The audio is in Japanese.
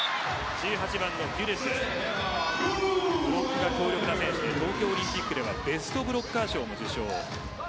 １８番のギュネシュ動きが特徴の選手で東京オリンピックはベストブロッカー賞も受賞しました。